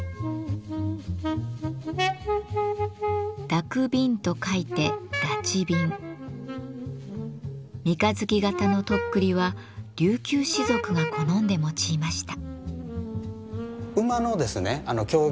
「抱く瓶」と書いて三日月型のとっくりは琉球士族が好んで用いました。